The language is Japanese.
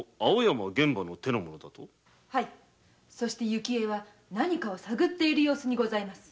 雪江は何かを探っている様子にございます。